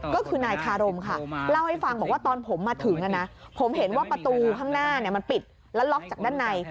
ก็คือนายคารมค่ะเล่าให้ฟังบอกว่าตอนผมมาถึงผมเห็นว่าประตูข้างหน้ามันปิดแล้วล็อกจากด้านใน